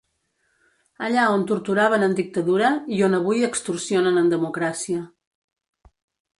Allà on torturaven en dictadura i on avui extorsionen en democràcia.